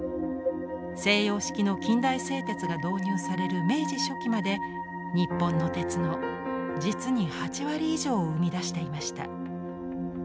西洋式の近代製鉄が導入される明治初期まで日本の鉄の実に８割以上を生み出していました。